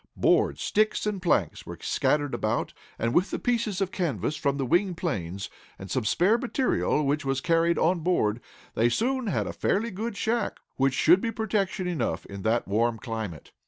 Boards, sticks, and planks were scattered about, and, with the pieces of canvas from the wing planes, and some spare material which was carried on board, they soon had a fairly good shack, which would be protection enough in that warm climate.